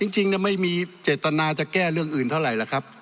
จริงไม่มีเจตนาจะแก้เรื่องอื่นเท่าไหร่ล่ะครับ